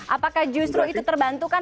apakah justru itu terbantukan